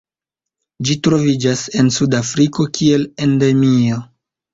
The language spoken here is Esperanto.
Ĝi troviĝas en Sudafriko kiel endemio.